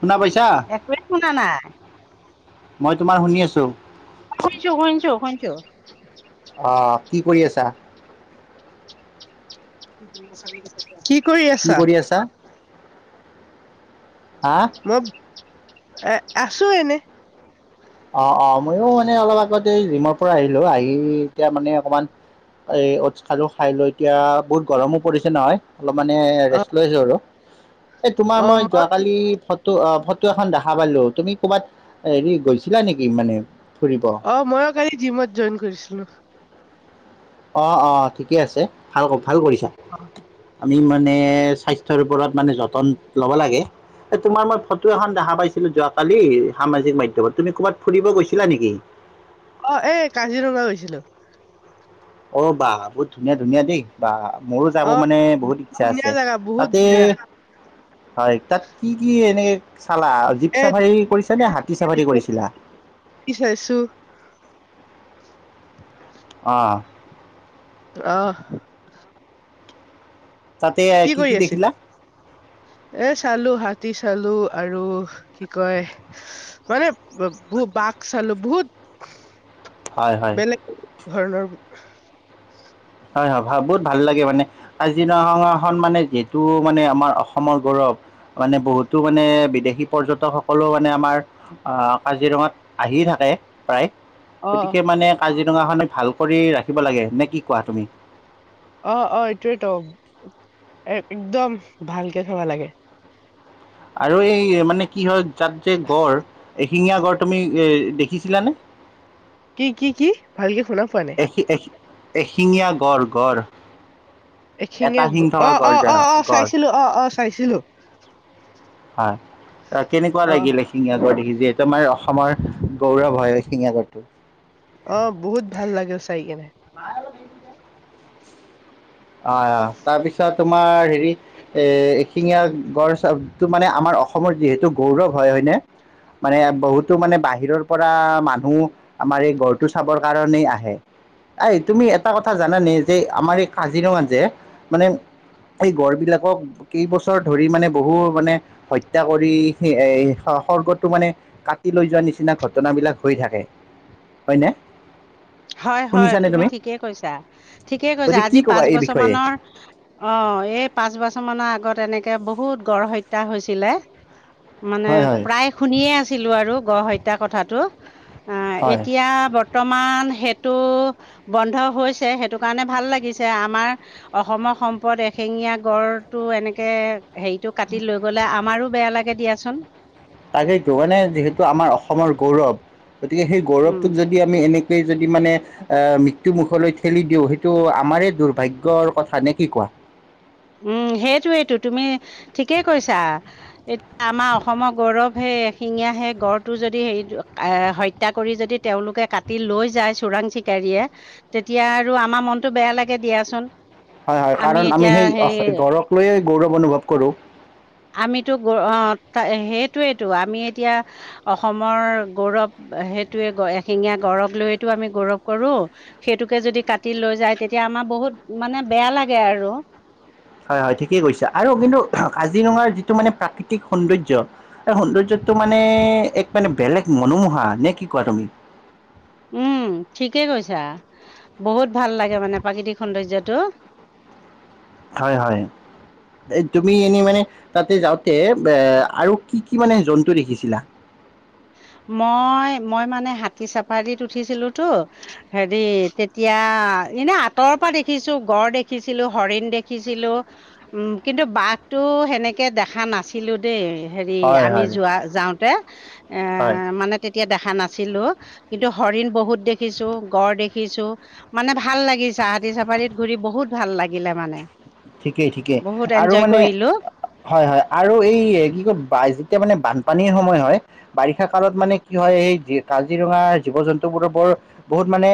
শুনা পাইছা একোৱে শুনা নাই। মই তোমাৰ শুনি আছোঁ। শুনিছো [unintelligible] অ কি কৰি আছা? কি কৰি আছা? হা মই এ আছো এনেই। অ অ মইও মানে অলপ আগতে জিমৰ পৰা আহিলো, আহি এতিয়া মানে অকমান এই উটচ খালো খায় লৈ এতিয়া বহুত গৰমো পৰিছে নহয়। অলপ মানে অ ৰেষ্ট লৈছো আৰু, এই তোমাৰ মই যোৱাকালি ফত টো অ ফটো এখন দেখা পালো, তুমি ক'বাত হেৰি গৈছিলা নেকি মানে? ফুৰিব অ মইও কালি জিমত জইন কৰিছিলো। অ অ ঠিকে আছে ভাল ভাল কৰিছা। আমি মানে স্বাস্থ্যৰ ওপৰত মানে যতন ল'ব লাগে। এ তোমাৰ মই ফটো এখন দেখা পাইছিলো যোৱাকালি সামাজিক মাধ্যমত, তুমি ক'বাত ফুৰিব গৈছিলা নেকি? অ এই কাজিৰঙা গৈছিলো। অ বাহ বহুত ধুনীয়া ধুনীয়া দেই বাহ! মোৰো যাব অ মানে বহুত ইচ্ছা ধুনীয়া আছে, জাগা বহুত তাতে ধুনীয়া। হয় তাত কি কি এনেই চালা জীপ এ চাফাৰী কৰিছা নে হাতী চাফাৰী কৰিছিলা? চাইছো অঁ। অহ। কি কৰি আছিল এ চালো হাতী চালো। আৰু কি কয় মানে বু বাঘ চালো বহুত হয় হয়। বেলেগ ধৰণৰ হয় হয় ভা বহুত ভাল মানে কাজিৰঙা খন যিহেতু মানে আমাৰ অসমৰ গৌৰৱ। মানে বহুতো মানে বিদেশী পৰ্যটক সকলেও মানে আমাৰ অ আমাৰ কাজিৰঙাত আহি থাকে। [inaudible] প্ৰায় অ গতিকে মানে কাজিৰঙাখন ভাল কৰি ৰাখিব লাগে নে কি কোৱা তুমি? অ' অ' এইটয়েইেতো একদম ভালকে থব লাগে। আৰু এই মানে কি হয় তাত যে গড় এশিঙীয়া গড় তুমি এ দেখিছিলানে? কি -কি -কি ভালকে শুনা পোৱা নাই। এশি এশি এশিঙীয়া গড় -গড় এটা এশিঙীয়া শিং গ থকা অ- গড় অ যে অ গড় চাইছিলো অ' অ' চাইছিলো হয় কেনেকুৱা অ লাগিলে, এশিঙীয়া গঁড় দেখি যে তোমাৰ অসমৰ গৌৰৱ হয় এশিঙিয়া গড়টো। অ', বহুত ভাল লাগে চাই কেনে। অ', অ', তাৰ পিছত তোমাৰ হেৰি এ এশিঙীয়া গড় চটো মানে আমাৰ অসমৰ যিহেতু গৌৰৱ হয়, হয়নে? মানে বহুতো মানে বাহিৰৰ পৰা মানুহ আমাৰ এই গড়টো চাবৰ কাৰণেই আহে। এই তুমি এটা কথা জানানে যে আমাৰ এই কাজিৰঙা যে মানে সেই গড়বিলাকক কেইবছৰ ধৰি মানে বহু মানে হত্যা কৰি এ খৰ্গটো মানে কাটি লৈ যোৱা নিচিনা ঘটনাবিলাক হৈ থাকে হয়। হয় -হয় তুমি ঠিকেই কৈছা ঠিকেই কৈছা গতিকে কি আজি ক'বা পাঁচ এই বছৰ বিষয়ে? মানৰ অ' এই পাঁচ বছৰ মানৰ আগতে এনেকে বহুত গড় হত্যা হৈছিলে। মানে হয় হয় প্ৰায় শুনিয়ে আছিলো আৰু গড় হত্যা কথাটো। অ' হয়। এতিয়া বৰ্তমান। সেইটো বন্ধ হৈছে সেইটো কাৰণে ভাল লাগিছে, আমাৰ অসমৰ সম্পদ এ। শেঙীয়া গড়টো এনেকে হেৰিটো কাটি লৈ গ'লে আমাৰো বেয়া লাগে দিয়াচোন। তাকেইতো মানে যিহেতু আমাৰ অসমৰ গৌৰৱ, গতিকে সেই উম গৌৰৱটোক যদি আমি এনে যদি মানে আহ মৃত্যুমুুখলৈ ঠেলি দিওঁ সেইটো আমাৰ দুৰ্ভাগ্যৰ কথা নে কি কোৱা। [inaudible] উম সেইটোয়েইটো তুমি ঠিকেই কৈছা, এতিয়া আমাৰ অসমৰ গৌৰৱ হেই এশিঙীয়া সে গড়টো যদি হে এ হত্যা কৰি যদি তেওঁলোকে কাটি লৈ যায় চোৰাং চিকাৰীয়ে তেতিয়া আৰু আমাৰ মনটো বেয়া লাগে দিয়াচোন। হয় হয় কাৰণ আমি সেই গড়কলৈয়ে গৌৰৱ অনুভৱ কৰোঁ। আমিতো সেইটোয়েতটো আমি এতিয়া অসমৰ গৌৰৱ সেইটোৱে এশিঙীয়া গৰৱ লৈয়তো আমি গৌৰৱ কৰোঁ, সেইটোকে যদি কাটি লৈ যায় তেতিয়া আমাৰ বহুত বহুত মানে বেয়া লাগে আৰু। হয় হয় ঠিকেই কৈছা আৰু কিন্তু কাজিৰঙাৰ যিটো মানে প্ৰাকৃতিক সৌন্দৰ্য, সেই সৌন্দৰ্য টো মানে এক মানে বেলেগ মনোমোহা, নে কি কোৱা তুমি? উম ঠিকেই কৈছা, বহুত ভাল লাগে মানে প্ৰাকৃতিক সৌন্দৰ্যটো। [inaudible] হয় হয়। এ তুমি এনেই মানে তাতে যাওঁতে এ আৰু কি কি মানে জন্তু দেখিছিলা? অ'। মই মই মানে হাতী চাফাৰীত উঠিছিলো তো হেৰি তেতিয়া এনে আঁতৰৰ পৰা দেখিছো গড় দেখিছিলো, হৰিণ দেখিছিলো, উম কিন্তু বাঘটো সেনেকে দেখা নাছিলো দেই। হেৰি হয় আমি হয় যোৱা যাওঁতে এ হয় মানে এতিয়া দেখা নাছিলো কিন্তু হৰিণ বহুত দেখিছো গড় দেখিছো মানে ভাল লাগিছ হাঁতি চাফাৰীত ঘূৰি বহুত ভাল লাগিলে মানে। ঠিকেই ঠিকেই, বহুত আৰু এনজয় মানে কৰিলো হয় হয়, আৰু এই কি কয় যেতিয়া মানে বান পানীৰ সময় হয় বাৰিষা কালত মানে কি হয় এই কাজিৰঙা জীৱ জন্তুবোৰৰ বৰ বহুত মানে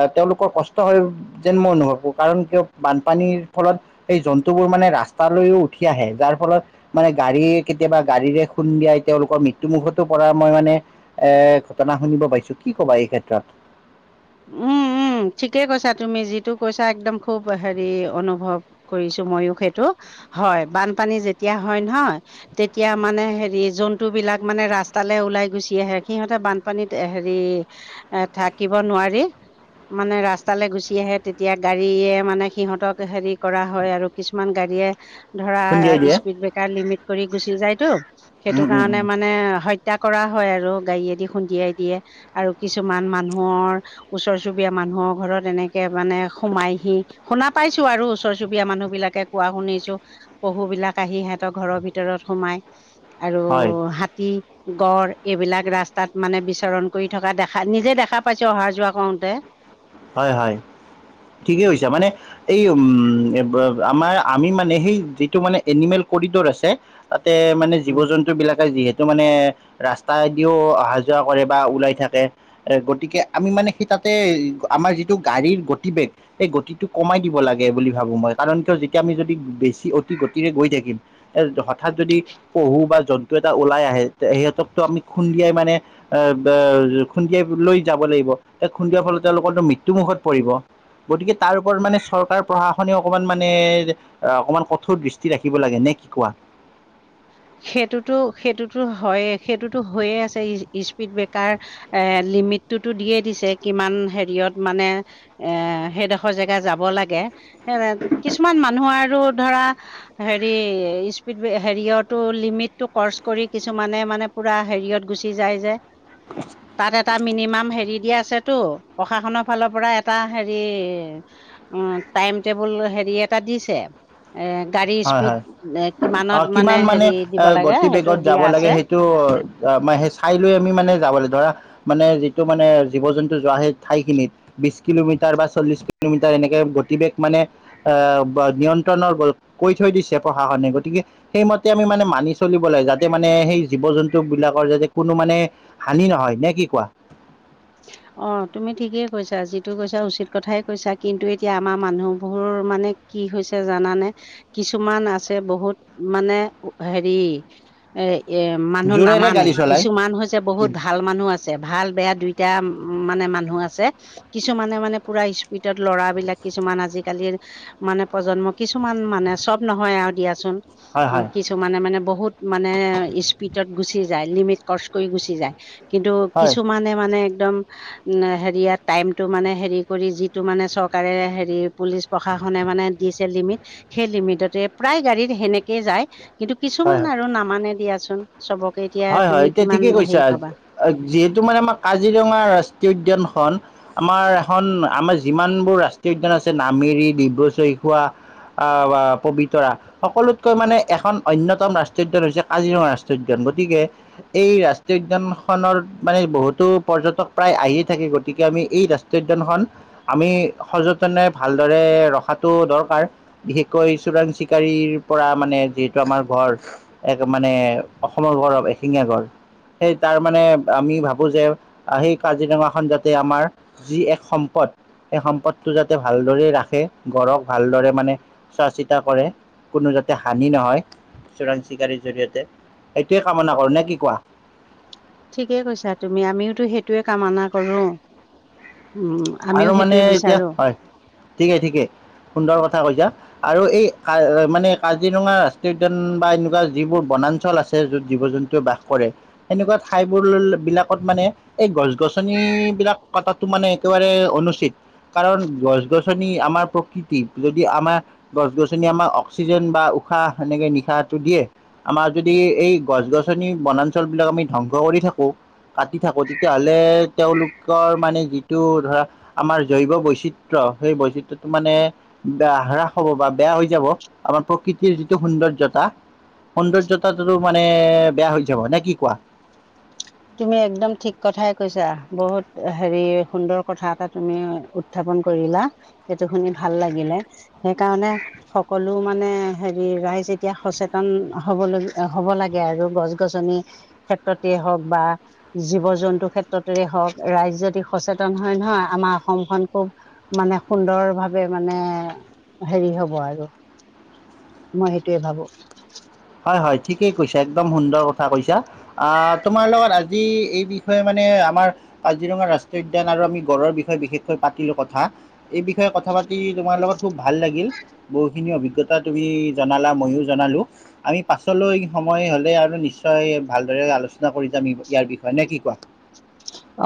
এ তেওঁলোকৰ কষ্ট হয় যেন মই অনুভৱ কৰো কাৰণ কিয় বানপানীৰ ফলত এই জন্তুবোৰ মানে ৰাস্তালৈও উঠি আহে যাৰ ফলত মানে গাড়ী কেতিয়াবা গাড়ীৰে খুন্দিয়াই তেওঁলোকৰ মৃত্যুমুুখতো পৰা মই মানে এ ঘটনা শুনিব পাইছো, কি কবা এই ক্ষেত্ৰত? উম। উম ঠিকেই কৈছা তুমি যিটো কৈছা একদম খুব হেৰি অনুভৱ কৰিছো ময়ো সেইটো হয় বানপানী যেতিয়া হয় নহয় তেতিয়া মানে হেৰি জন্তুবিলাক মানে ৰাস্তা তালে ওলাই গুচি আহে সিহঁতে বানপানীত হেৰি এ থাকিব নোৱাৰি মানে ৰাস্তালৈ গুচি আহে তেতিয়া গাড়ীয়ে মানে সিহঁতক হেৰি কৰা হয় আৰু কিছুমান গাড়ীয়ে। ধৰা খুন্দিয়াই দিয়ে স্পীড ব্ৰেকাৰ লিমিট কৰি গুচি যায়তো সেইটো উম, উম, কাৰণে উম, মানে হত্যা কৰা। হয় আৰু গাড়ীয়েদি খুন্দিয়াই দিয়ে আৰু কিছুমান মানুহৰ ওচৰ চুবীয়া মানুহৰ ঘৰত এনেকে মানে সোমাইহি শুনা পাইছো আৰু ওচৰ চুবুৰীয়া মানুহ বিলাকে কোৱা। শুনিছো পহু বিলাক আহি সিহতৰ ঘৰৰ ভিতৰত সোমাই আৰু হয়, হাতী। গড় এইবিলাক ৰাস্তাত মানে বিচৰণ কৰি থকা দেখা নিজে দেখা পাইছো অহা যোৱা কৰওঁতে। হয় হয় ঠিকেই হৈছে মানে এই উম আমাৰ আমি মানে সেই যিটো মানে এনিমেল কৰিডৰ আছে। মানে জীৱ উম, জন্তুবিলাক যিহেতু মানে ৰাস্তাদিও অহা যোৱা কৰে বা ওলাই থাকে এ গতিকে আমি মানে সি তাতে আমাৰ যিটো গাড়ীৰ গতিবেগ সেই গতিটো কমাই দিব লাগে বুলি ভাবো মই কাৰণ কিয় যেতিয়া আমি যদি বেছি অতি গতিৰে গৈ থাকিম, এ হঠাৎ যদি পহু বা জন্তু এটা ওলাই আহে সিহঁতক ত আমি খুন্দিয়াই মানে এ খুন্দিয়াই লৈ যাব লাগিব, খুন্দিয়া ফলতে সকলো মৃত্যুমুখত পৰিব। গতিকে তাৰ ওপৰত মানে চৰকাৰ প্ৰশাসনেও অকমান মানে অকমান কঠোৰ দৃষ্টি ৰাখিব লাগে নে কি কোৱা? [inaudible] সেইটোতো সেইটোতো হয় সেইটোতো হৈয়ে আছে স্পীড ব্ৰেকাৰ এ লিমিটটোতো দিয়ে দিছে কিমান হেৰিয়ত মানে এ সেইডখৰ জেগা যাব লাগে। এ কিছুমান মানুহ আৰু ধৰা হেৰি স্পীড হেৰিয়ত। লিমিটটো কৰচ কৰি কিছুমানে মানে পুৰা হেৰিয়ত গুচি যায় যে। তাত এটা। মিনিমাম হেৰী দিয়া আছে টো প্ৰশাসনৰ ফালৰ পৰা এটা হেৰী টাইম টেবল হেৰী এটা দিছে গাড়ী স্পীড কিমানত মানে ম দিব লাগে গতি সেইটো বেগত যাব দিয়া লাগে আছে সেইটো ম সেই চাই লৈ আমি মানে যাব লাগে ধৰা মানে যিটো মানে জীৱ জন্তু যোৱা সেই ঠাই খিনিত বিশ কিলোমিটাৰ বা চল্লিশ কিলোমিটাৰ এনেকে প্ৰতিৱেশ মানে এ ব নিয়ন্ত্ৰণৰ কৈ থৈ দিছে প্ৰশাসনে, গতিকে সেইমতে আমি মানে মানি চলিব লাগে যাতে মানে সেই জীৱ জন্তু বুলি বিলাকৰ যাতে কোনো মানে হানি নহয়, নে কি কোৱা? [inaudible] অ তুমি ঠিকেই কৈছা, যিটো কৈছা উচিত কথাই কৈছা, কিন্তু এতিয়া আমাৰ মানুহবোৰ মানে কি হৈছে জানানে? কিছুমান আছে বহুত মানে হেৰি এ এ মানুহ জোৰেৰে নামানে গাড়ী চলাই কিছুমান হৈছে বহুত ভাল মানুহ আছে ভাল বেয়া দুই আ মানে মানুহ আছে, কিছুমানে মানে পোৰা স্পীডত লৰা বিলাক কিছুমান আজিকালিৰ মানে প্ৰজন্ম কিছুমান মানে সব নহয় আৰু দিয়াচোন। হয় উ হয় কিছুমানে মানে বহুত মানে স্পিডত গুচি যায় লিমিট ক্ৰচ কৰি গুচি যায়, কিন্তু হয় কিছুমানে মানে একদম হেৰিয়া টাইমটো মানে হেৰি কৰি যিটো মানে চৰকাৰে হেৰি পুলিচ প্ৰসা খনে মানে দিছে লিমিট সেই লিমিটতে প্ৰায় গাড়ী সেনেকে যায়। কিন্তু হয় কিছুমান হয় আৰু নামানে দিয়াচোন। চবকে এতিয়া হয় হয় তুমি এতিয়া কিমান ঠিকেই কৈছা, হেৰি কবা যিহেতু মানে আমাৰ কাজিৰঙা ৰাস্ ৰাষ্ট্ৰীয় উদ্যানখন আমাৰ এখন আমাৰ যিমানবোৰ ৰাষ্ট্ৰীয় উদ্যান আছে নামেৰি, ডিব্ৰুচৈ় খোৱা আহ বা পবিতৰা সকলোতকৈ মানে এখন অন্যতম ৰাষ্ট্ৰীয় উদ্যান হৈছে কাজিৰঙা ৰাষ্ট্ৰীয় উদ্যান তিকে এই ৰাষ্ট্ৰীয় উদ্যান খনৰ মানে বহুতো পৰ্যটক প্ৰায় আহিয়ে থাকে গতিকে আমি এই ৰাষ্ট্ৰীয় উদ্যানখন আমি সযতনে ভালদৰে ৰখটো দৰকাৰ বিশষকৈ চোৰাং চিকাৰীৰ পৰা মানে যিহেতু আমাৰ গঁড় এক মানে অসমৰ গৌৰৱ এশিঙীয়া গড়, সেই তাৰ মানে আমি ভাব বো যে সেই কাজিৰঙাখন যাতে আমাৰ যি এক সম্পদ সেই সম্পদটো যাতে ভাল ভালদৰে ৰাখে গড়ক ভালদৰে মানে চোৱা চিতা কৰে। কোনো যাতে হানি নহয়, চোৰাং চিকাৰীৰ জৰিয়তে। সেইটোৱে কামনা কৰো নে কি কোৱা? ঠিকেই কৈছা তুমি আমিওতো সেইটোয়ে কামনা কৰো। উম আমিও আৰু মানে সেইটোৱে এতিয়া, বিচাৰো হয় ঠিকেই ঠিকে সুন্দৰ কথা কৈছা। আৰু এই মানে কাজিৰঙা ৰাষ্ট্ৰীয় উদ্যান বা এনেকুৱা যিবোৰ বনাঞ্চল আছে য'ত জী জীৱ-জন্তু বাস কৰে সেনেকুৱা ঠাইবোৰবিলাকত মানে এই গছ-গছনিবিলাক কাটাটো মানে একেবাৰে অনুচিত কাৰণ গছ-গছনি আমাৰ কিতিব যদি আমাৰ গছ গছনি আমাক অক্সিজেন বা উশাহ সেনেকে নিশাহটো দিয়ে। আমাৰ যদি এই গছ-গছনি বনাঞ্চলবিলাক আমি ধ্বং স কৰি থাকো, কাটি থাকো তেতিয়াহ'লে তেওঁলোকৰ মানে যি টো ধৰা আমাৰ জৈৱ বৈচিত্ৰ্য সেই বৈচিত্ৰ্যটো মানে বেয়া হ্ৰাস হ'ব বা বেয়া হৈ যাব আমাৰ প্ৰকৃতিৰ যিটো সৌন্দৰ্যতা সৌন্দৰ্যতাটো মানে বেয়া হৈ যাব নে কি কোৱা? তুমি একদম ঠিক কথাই কৈছা বহুত হেৰি সুন্দৰ কথা এটা তুমি উত্থাপ পন কৰিলা, সেইটো শুনি ভাল লাগিলে, সেইকাৰণে সকলো মানে হেৰি ৰ এতিয়া সচেতন হবলগী হ'ব লাগে আৰু গছ-গছনি ক্ষেত্ৰতে হওক। বা জীৱ-জন্তু ক্ষেত্ৰতেৰে হওক ৰাইজ যদি সচেতন হয় নহয় আমাৰ অসমখন খুব মানে সুন্দৰ ভাৱে মানে হেৰি হব আৰু মই সেইটোৱে ভাবো। হয় হয় ঠিকেই কৈছা একদম সুন্দৰ কথা কৈছা আহ তোমাৰ লগত আজি এই বিষয়ে মান নে আমাৰ কাজিৰঙা ৰাষ্ট্ৰীয় উদ্যান আৰু আমি গড়ৰ বিষয়ে বিশেষকৈ পাতিলো কথা। এই বিষয়ে কথা পাতি তোমাৰ লগত খুব ভাল লাগিল বহুখিনি অভিজ্ঞত তা তুমি জনালা মইয়ো জনালো। আমি পাছলৈ সময় হ'লে আৰু নিশ্চয় ভালদৰে আলোচনা কৰি যামি ইয়াৰ বিষয়ে নে কি কোৱা?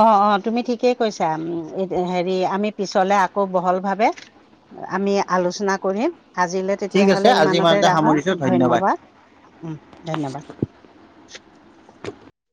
অ অ তুমি ঠি ঠিকেই কৈছা হেৰি আমি পিছলে আকৌ বহল ভাবে আমি আলোচনা কৰিম আজিলৈ তেতিয়া ঠিক আছে আজি ইমানতে ৰাখো সামৰিছোঁ ধন্যবাদ, উম ধন্যবাদ। [inaudible]